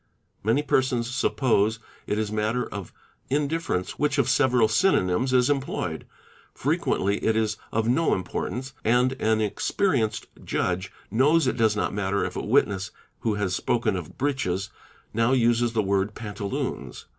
Many persons — suppose it is matter of indifference which of several synonyms is em ployed; frequently it is of no importance, and an experienced judge knows it does not matter if a witness who has spoken of ' breeches" now uses the word "pantaloons.